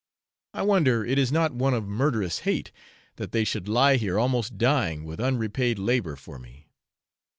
I wonder it is not one of murderous hate that they should lie here almost dying with unrepaid labour for me.